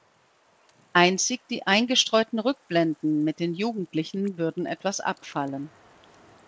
Einzig die eingestreuten Rückblenden mit den Jugendlichen würden etwas abfallen.